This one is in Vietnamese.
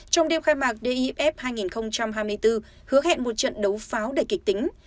trong đêm khai mạc def hai nghìn hai mươi bốn hứa hẹn một trận đấu pháo đầy kịch tính